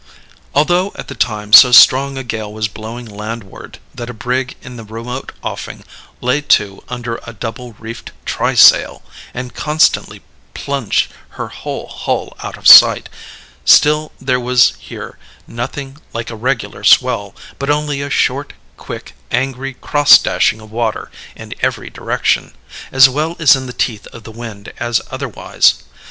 Although at the time so strong a gale was blowing landward that a brig in the remote offing lay to under a double reefed trysail, and constantly plunged her whole hull out of sight, still there was here nothing like a regular swell, but only a short, quick angry cross dashing of water in every direction as well in the teeth of the wind as otherwise.